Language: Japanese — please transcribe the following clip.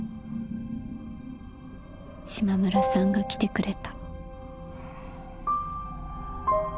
「島村さんが来てくれた」。